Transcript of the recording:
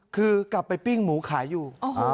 คือกลับไปปิ้งหมูขายอยู่